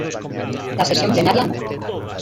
La sesión plenaria no.